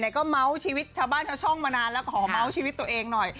ก็เมาส์ชีวิตชาวบ้านชาวช่องมานานแล้วขอเม้าชีวิตตัวเองหน่อย